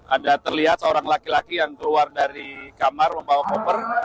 ada terlihat seorang laki laki yang keluar dari kamar membawa koper